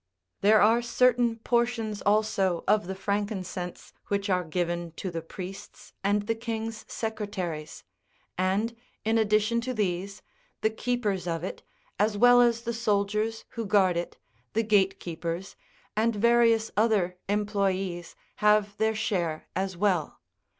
There are certain portions also of the frankincense which are given to the priests and the king's secretaries : and in addition to these, the keepers of it, as well as the soldiers who guard it, the gate keepers, and various other employes, have their share as well.